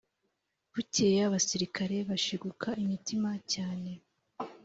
Bukeye abasirikare bashiguka imitima cyane